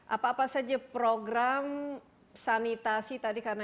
apa apa saja program sanitasi tadi karena